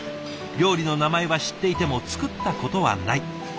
料理の名前は知っていても作ったことはない。